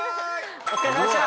お疲れさまでした。